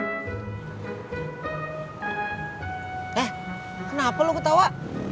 eh kenapa lo ketawa